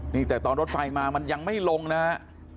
นี่แต่ตอนรถไฟมามันยังไม่ลงนะฮะ